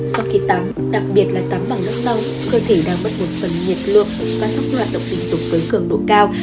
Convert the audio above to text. sau khi tắm đặc biệt là tắm bằng rất lâu cơ thể đang mất một phần nhiệt lượng và sốc loạt động tình dục với cường độ cao